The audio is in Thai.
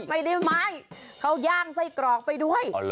ไม่ได้ไม้เขาย่างไส้กรอกไปด้วย